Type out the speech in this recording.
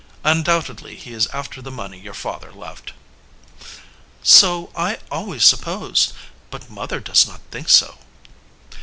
Undoubtedly he is after the money your father left." "So I always supposed but mother does not think so."